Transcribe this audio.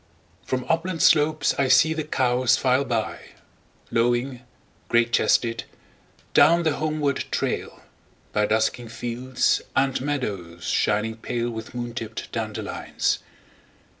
1From upland slopes I see the cows file by,2Lowing, great chested, down the homeward trail,3By dusking fields and meadows shining pale4With moon tipped dandelions.